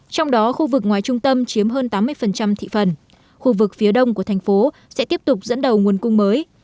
trong đó khu vực ngoài trung tâm chiếm hơn tám mươi thị phần khu vực phía đông của thành phố sẽ tiếp tục dẫn đầu nguồn cung mới